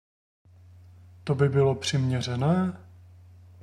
To by bylo přiměřené?